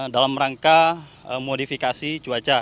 dalam rangka modifikasi cuaca